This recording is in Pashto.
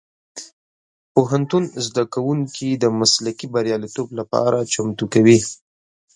پوهنتون زدهکوونکي د مسلکي بریالیتوب لپاره چمتو کوي.